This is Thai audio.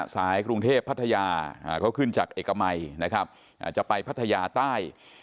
สายกรุงเทพภัทยาเค้าขึ้นจากเอกเหม่อาจจะไปภัทยาใต้